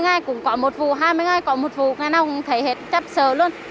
một mươi ngày cũng có một vụ hai mươi ngày có một vụ ngày nào cũng thấy hết chắp sờ luôn